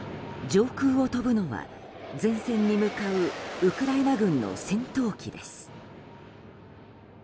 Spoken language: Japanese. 上空を飛ぶのは前線に向かうウクライナ軍の戦闘機です。